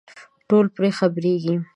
ټول پرې خبرېږي.